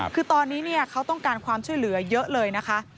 คือตอนนี้เขาต้องการความช่วยเหลือเยอะเลยนะคะ